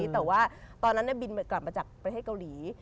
แต่ว่าตอนนั้นบินกลับมาจากประเทศเกาหลี